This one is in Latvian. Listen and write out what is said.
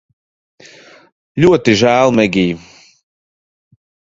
Ļoti žēl, Megij